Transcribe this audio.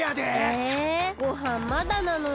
えごはんまだなのに。